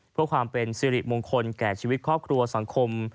เพื่อความเป็นสิริมงคลแก่ชีวิตครอบครัวสังคม